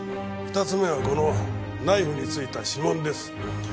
２つ目はこのナイフに付いた指紋です。